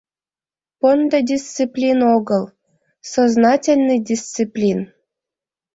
Пондо дисциплин огыл, сознательный дисциплин.